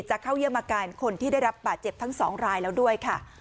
เข้าเยี่ยมอาการคนที่ได้รับบาดเจ็บทั้งสองรายแล้วด้วยค่ะ